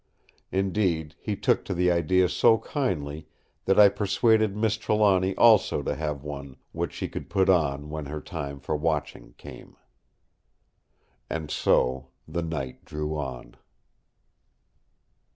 Indeed, he took to the idea so kindly that I persuaded Miss Trelawny also to have one which she could put on when her time for watching came. And so the night drew on.